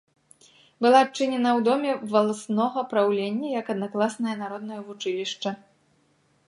Была адчынена ў доме валаснога праўлення як аднакласнае народнае вучылішча.